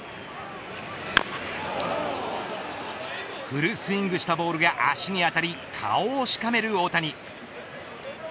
フルスイングしたボールが足に当たり顔をしかめる大谷。